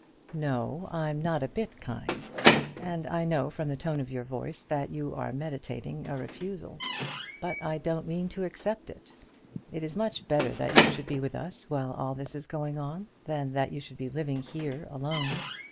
"No, I'm not a bit kind; and I know from the tone of your voice that you are meditating a refusal. But I don't mean to accept it. It is much better that you should be with us while all this is going on, than that you should be living here alone.